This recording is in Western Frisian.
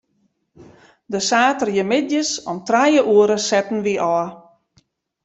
De saterdeitemiddeis om trije oere setten wy ôf.